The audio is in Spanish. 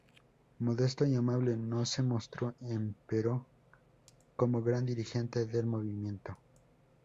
Modesto y amable, no se mostró, empero, como gran dirigente del movimiento.